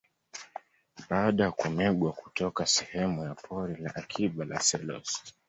Baada ya kumegwa kutoka sehemu ya Pori la Akiba la Selous